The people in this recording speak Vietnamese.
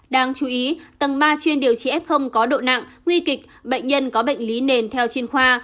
đáng chú ý tầng ba chuyên điều trị f có độ nặng nguy kịch bệnh nhân có bệnh lý nền theo chuyên khoa